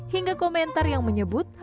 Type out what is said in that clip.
hingga komentar yang menyebut